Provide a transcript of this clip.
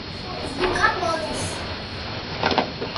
ლუკა მოდის